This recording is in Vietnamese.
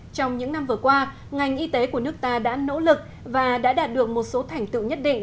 trong những năm vừa qua ngành y tế của nước ta đã nỗ lực và đã đạt được một số thành tựu nhất định